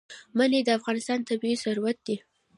منی د افغانستان طبعي ثروت دی.